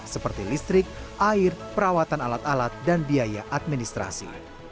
seperti listrik air perawatan alat alat dan biaya administrasi